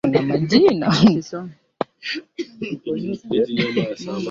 wanakuja Hatimaye akapata matumaini Ingawa mbinu za